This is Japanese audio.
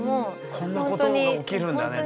こんなことが起きるんだねって。